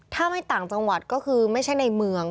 ถ้าไม่ต่างจังหวัดก็คือไม่ใช่ในเมือง